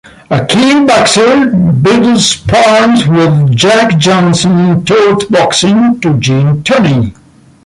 A keen boxer, Biddle sparred with Jack Johnson and taught boxing to Gene Tunney.